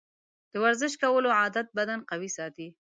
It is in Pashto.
د ورزش کولو عادت بدن قوي ساتي.